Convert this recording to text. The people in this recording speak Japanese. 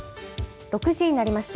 ６時になりました。